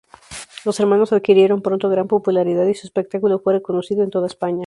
Los hermanos adquirieron pronto gran popularidad y su espectáculo fue reconocido en toda España.